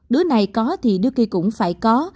đứa này có thì đứa kia cũng phải có